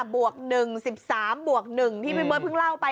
บวก๑๑๓บวก๑ที่พี่เบิร์เพิ่งเล่าไป